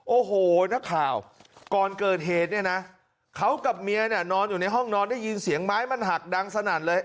โอ้โหนักข่าวก่อนเกิดเหตุเนี่ยนะเขากับเมียเนี่ยนอนอยู่ในห้องนอนได้ยินเสียงไม้มันหักดังสนั่นเลย